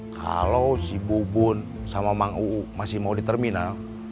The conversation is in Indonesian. kalau si bubun sama mang uu masih mau di terminal